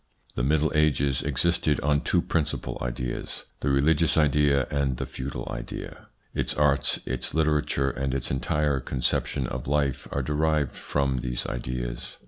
The Middle Ages existed on two principal ideas : the religious idea and the feudal idea. Its arts, its literature, and its entire conception of life are derived from these ideas.